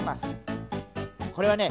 これはね